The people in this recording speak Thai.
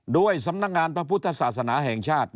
สำนักงานพระพุทธศาสนาแห่งชาติ